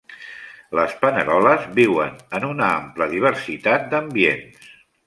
Les paneroles viuen en una ampla diversitat d'ambients.